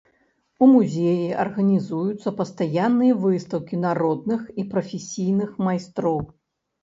У музеі арганізуюцца пастаянныя выстаўкі народных і прафесійных майстроў.